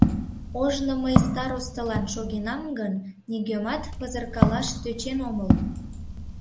Ожно мый старостылан шогенам гын, нигӧмат пызыркалаш тӧчен омыл.